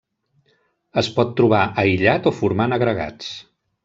Es pot trobar aïllat o formant agregats.